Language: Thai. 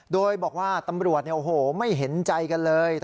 โดยบอกว่าตำรวจไม่เห็นใจกันเลย